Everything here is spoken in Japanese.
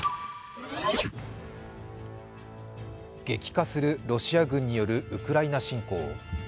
激化するロシア軍によるウクライナ侵攻。